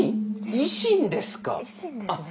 維新ですね。